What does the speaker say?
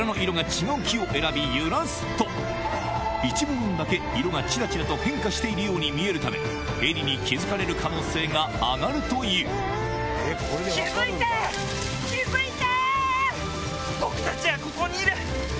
一部分だけ色がチラチラと変化しているように見えるためヘリに気付かれる可能性が上がるという気付いて！